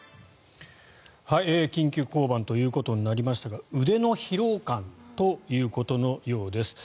緊急降板ということになりましたが腕の疲労感ということのようです。